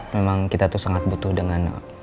memang kita tuh sangat butuh dengan